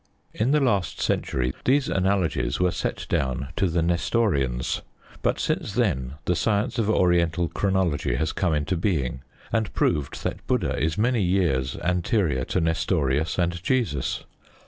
In the last century these analogies were set down to the Nestorians; but since then the science of Oriental chronology has come into being, and proved that Buddha is many years anterior to Nestorius and Jesus.